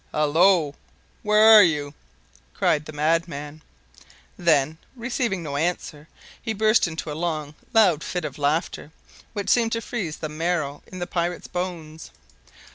"Hallo! where are you?" cried the madman. Then, receiving no answer, he burst into a long, loud fit of laughter, which seemed to freeze the very marrow in the pirate's bones.